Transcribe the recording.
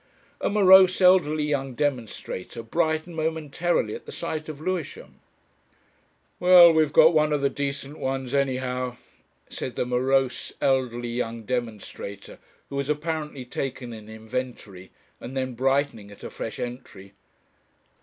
A morose elderly young demonstrator brightened momentarily at the sight of Lewisham. "Well, we've got one of the decent ones anyhow," said the morose elderly young demonstrator, who was apparently taking an inventory, and then brightening at a fresh entry.